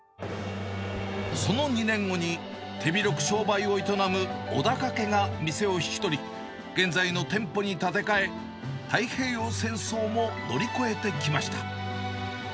その２年後に、手広く商売を営む小高家が店を引き取り、現在の店舗に建て替え、太平洋戦争も乗り越えてきました。